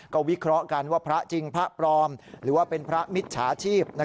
ก็วิเคราะห์กันว่าพระจริงพระปลอมหรือว่าเป็นพระมิจฉาชีพ